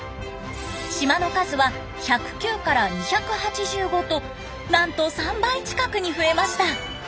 島の数は１０９から２８５となんと３倍近くに増えました。